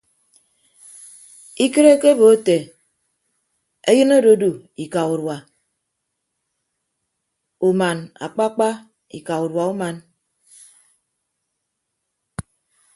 Ikịt ekebo ete eyịn ododu ika udua uman akpakpa ika udua uman.